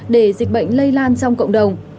để dịch bệnh lây lan trong cộng đồng